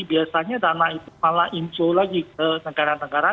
biasanya dana itu malah inflow lagi ke negara negara